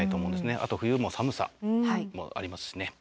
あと冬も寒さもありますしね。